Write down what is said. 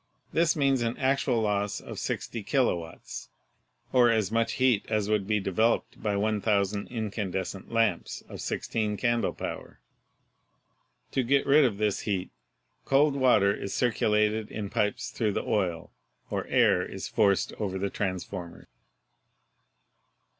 this means an actual loss of 60 kilowatts, or as much heat as would be developed by 1,000 incandescent lamps of 16 candle power. To get rid of this heat, cold water is circulated in pipes through the oil or air is forced over the transformer.